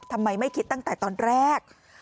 ทำไมไม่คิดตั้งแต่ตอนแรก